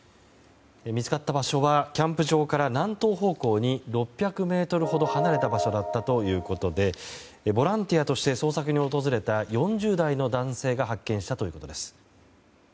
見つかった場所はキャンプ場から南東方向に６００ｍほど離れた場所だったということでボランティアとして捜索に訪れた４０代の男性が発見したということです。